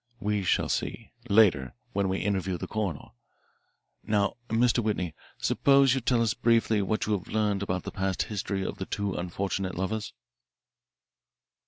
We shall see, later, when we interview the coroner. Now, Mr. Whitney, suppose you tell us briefly what you have learned about the past history of the two unfortunate lovers."